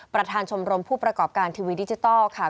ประธานชมรมผู้ประกอบการทีวีดิจิทัลค่ะ